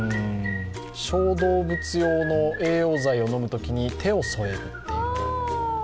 小動物用の栄養剤を飲むときに手を添えるっていう。